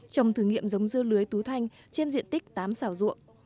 trồng thử nghiệm giống dưa lưới tú thanh trên diện tích tám xảo ruộng